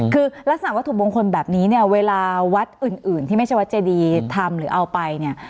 คือลักษณะวัตถุมงคลแบบนี้เนี่ยเวลาวัดอื่นที่ไม่ใช่วัดเจดีทำหรือเอาไปเนี่ย